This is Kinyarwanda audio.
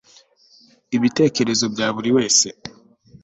ibitekerezo bya buri wese